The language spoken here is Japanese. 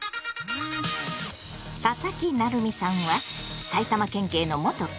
佐々木成三さんは埼玉県警の元刑事。